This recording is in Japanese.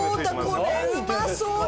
これうまそうだ！